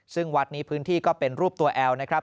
ซึ่งวัดนี้พื้นที่ก็เป็นรูปตัวแอลนะครับ